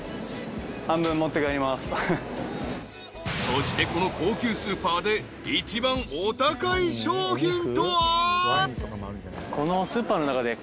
［そしてこの高級スーパーで一番お高い商品とは？］